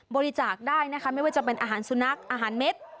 บริจาคได้นะคะไม่ว่าจะเป็นอาหารสุนัขอาหารเม็ด